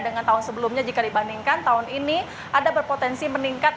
dengan tahun sebelumnya jika dibandingkan tahun ini ada berpotensi meningkat